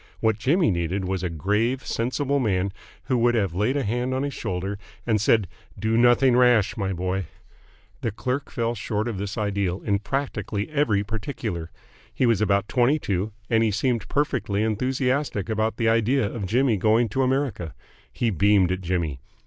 What Jimmy needed was a grave, sensible man who would have laid a hand on his shoulder and said "Do nothing rash, my boy!" The clerk fell short of this ideal in practically every particular. He was about twenty two, and he seemed perfectly enthusiastic about the idea of Jimmy going to America. He beamed at Jimmy.